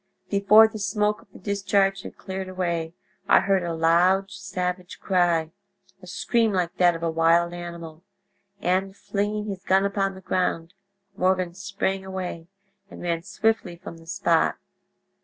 Before the smoke of the discharge had cleared away I heard a loud savage cry—a scream like that of a wild animal—and, flinging his gun upon the ground, Morgan sprang away and ran swiftly from the spot.